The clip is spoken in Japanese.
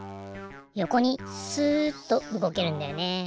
よこにすっとうごけるんだよね。